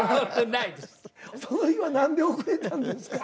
その日は何で遅れたんですか？